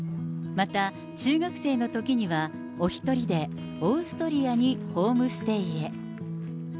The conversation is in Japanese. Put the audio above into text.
また、中学生のときには、お１人でオーストリアにホームステイへ。